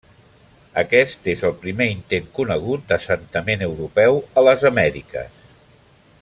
Aquest és el primer intent conegut d'assentament europeu a les Amèriques.